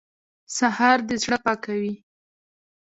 سهار د زړه پاکوي.